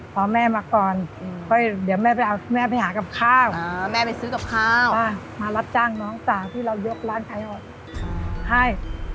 พอแม่มาก่อนเดี๋ยวแม่ไปหากับข้าวมารับจ้างน้องสาวที่เรายกร้านไทยฮอตให้